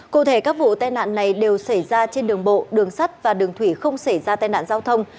cụ thể các vụ tai nạn này đều xảy ra trên đường bộ đường sắt và đường thủy không xảy ra tai nạn giao thông